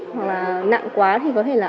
hoặc là nặng quá thì có thể là